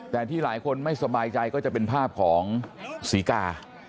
แต่ที่หลายคนไม่สบายใจก็จะเป็นภาพของศรีกา